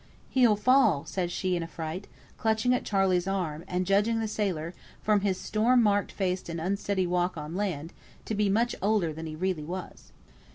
"He'll fall!" said she, in affright, clutching at Charley's arm, and judging the sailor, from his storm marked face and unsteady walk on land, to be much older than he really was.